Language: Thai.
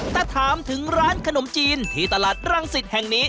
แต่ถามถึงร้านขนมจีนที่ตลาดรังสิตแห่งนี้